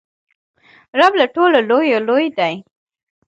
رب له ټولو لویو لوی دئ.